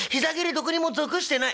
どこにも属してない」。